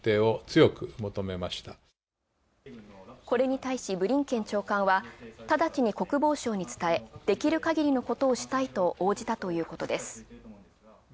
これに対し、ブリンケン長官は、直ちに国防省に伝え、できるかぎりのことをしたいと応じたということです。